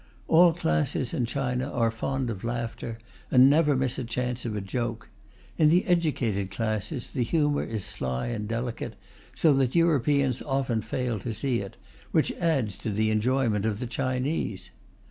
All classes in China are fond of laughter, and never miss a chance of a joke. In the educated classes, the humour is sly and delicate, so that Europeans often fail to see it, which adds to the enjoyment of the Chinese.